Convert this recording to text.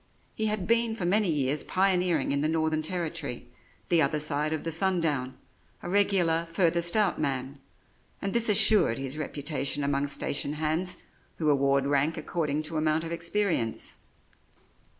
He had been for many years pioneering in the Northern Territory, the other side of the sun down a regular "furthest out man" and this assured his reputation among station hands who award rank according to amount of experience.